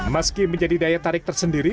meski menjadi daya tarik tersendiri